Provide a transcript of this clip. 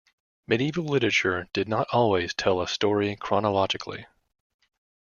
Medieval literature did not always tell a story chronologically.